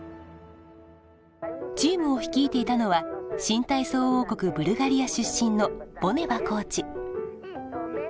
チームを率いていたのは新体操王国ブルガリア出身のボネバコーチ。